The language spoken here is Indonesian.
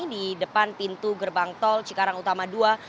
di depan pintu gerbang tol cikarang utama ii